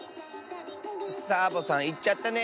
サボさんいっちゃったね。